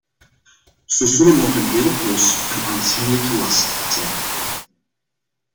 Ze zullen nog een hele poos een aanzienlijke last zijn.